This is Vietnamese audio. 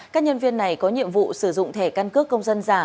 các nhân viên này có nhiệm vụ sử dụng thẻ căn cước công dân giả